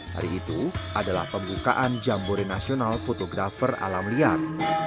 hari itu adalah pembukaan jambore nasional fotografer alam liar